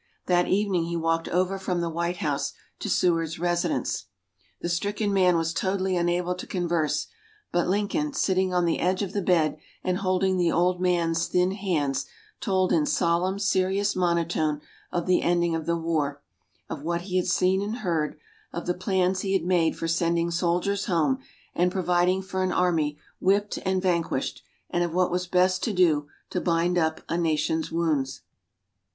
That evening he walked over from the White House to Seward's residence. The stricken man was totally unable to converse, but Lincoln, sitting on the edge of the bed and holding the old man's thin hands, told in solemn, serious monotone of the ending of the war; of what he had seen and heard; of the plans he had made for sending soldiers home and providing for an army whipped and vanquished, and of what was best to do to bind up a nation's wounds.